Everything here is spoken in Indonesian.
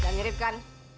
jangan mirip kan